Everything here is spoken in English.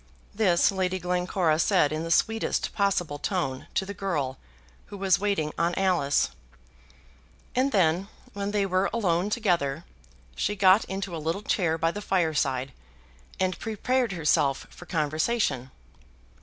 This Lady Glencora said in the sweetest possible tone to the girl who was waiting on Alice; and then, when they were alone together, she got into a little chair by the fireside and prepared herself for conversation.